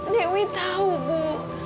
dewi tahu bu